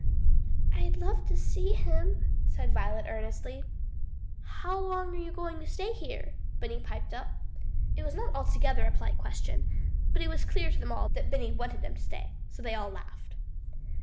"I'd love to see him," said Violet earnestly. "How long you going to stay here?" Benny piped up. It was not altogether a polite question, but it was clear to them all that Benny wanted him to stay, so they all laughed.